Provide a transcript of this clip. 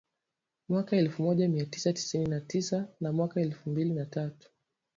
mwaka elfu moja mia tisa tisini na tisa na mwaka elfu mbili na tatu